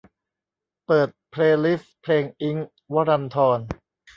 เปิดเพลย์ลิสต์เพลงอิ๊งค์ วรันธร